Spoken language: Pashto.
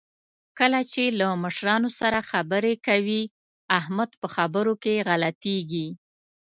کله چې له مشرانو سره خبرې کوي، احمد په خبرو کې غلطېږي.